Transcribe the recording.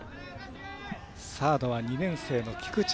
サードは２年生の菊地。